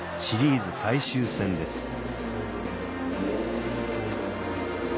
シリーズ最終戦です